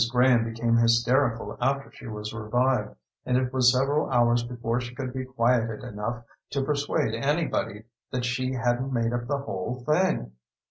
Graham became hysterical after she was revived, and it was several hours before she could be quieted enough to persuade anybody that she hadn't made up the whole thing.